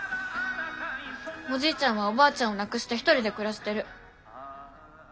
おじいちゃんはおばあちゃんを亡くして一人で暮らしてる。